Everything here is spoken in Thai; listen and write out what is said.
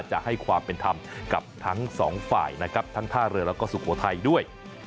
จะให้ความเป็นธรรมกับทั้งสองฝ่ายนะครับทั้งท่าเรือแล้วก็สุโขทัยด้วย